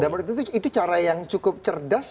dan menurut itu itu cara yang cukup cerdas